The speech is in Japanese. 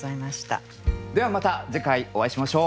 ではまた次回お会いしましょう。